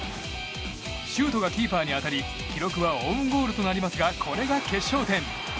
シュートがキーパーに当たり記録はオウンゴールとなりますがこれが決勝点。